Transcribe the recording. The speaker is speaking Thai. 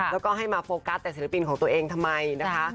แล้วก็ให้มาโฟกัสแต่ศิลปินของตัวเองทำไมนะคะ